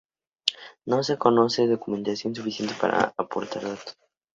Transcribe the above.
No se conoce documentación suficiente para aportar datos.